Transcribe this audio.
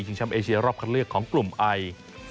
ช้ำเอเชียรอบคันเลือกของกลุ่มไอ